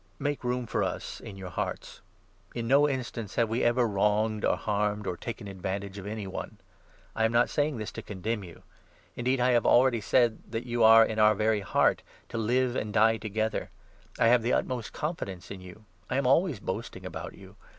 Make room for us in your hearts. In no 2 His Anxieties . J ., and instance have we ever wronged, or harmed, or Encourage taken advantage of, any one. I am not saying 3 lts" this to condemn you. Indeed, I have already said that you are in our very heart, to live and die together. I 4 have the utmost confidence in you ; I am always boasting about you.